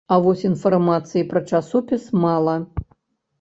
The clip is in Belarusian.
А вось інфармацыі пра часопіс мала.